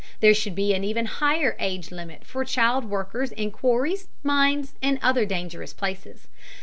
There should be an even higher age limit for child workers in quarries, mines, and other dangerous places.